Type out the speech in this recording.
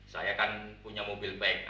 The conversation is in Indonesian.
saya kan punya mobil baik